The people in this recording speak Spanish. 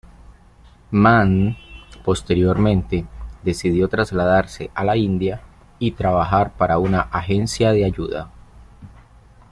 Mann, posteriormente, decidió trasladarse a la India y trabajar para una agencia de ayuda.